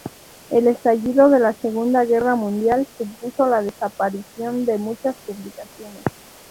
El estallido de la Segunda Guerra Mundial supuso la desaparición de muchas publicaciones.